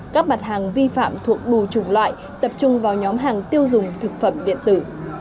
các mặt hàng vi phạm thuộc đủ chủng loại tập trung vào nhóm hàng tiêu dùng thực phẩm điện tử